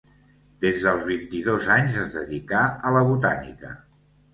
Des dels vint-i-dos anys es dedicà a la botànica.